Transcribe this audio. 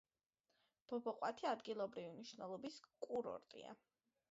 ბობოყვათი ადგილობრივი მნიშვნელობის კურორტია.